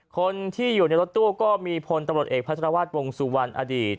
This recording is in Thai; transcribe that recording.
คนที่อยู่ในรถตู้ก็มีพลตำรวจเอกพัชรวาสวงสุวรรณอดีต